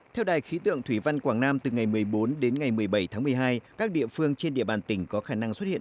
theo đài khí tượng thủy văn quảng nam từ ngày một mươi bốn đến ngày một mươi bảy tháng một mươi hai các địa phương trên địa bàn tỉnh có khả năng xuất hiện